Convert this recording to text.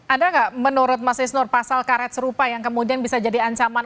ada nggak menurut mas isnur pasal karet serupa yang kemudian bisa jadi ancaman